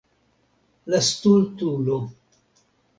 La stultulo.